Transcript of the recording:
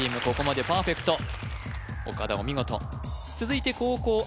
ここまでパーフェクト岡田お見事続いて後攻